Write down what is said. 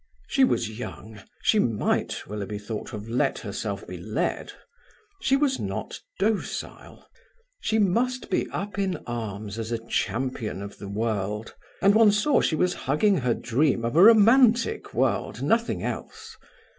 She was young. She might, Willoughby thought, have let herself be led; she was not docile. She must be up in arms as a champion of the world; and one saw she was hugging her dream of a romantic world, nothing else.